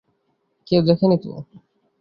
কেউ দেখেনি তো।